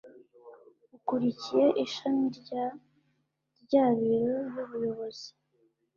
Ukuriye ishami rya rya biro y’Ubuyobozi